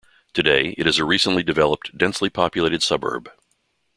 Today, it is a recently developed, densely populated suburb.